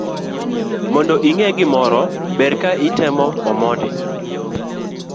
Mondo inge gimoro ber ka itemo omondi